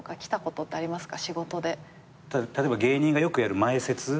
例えば芸人がよくやる前説。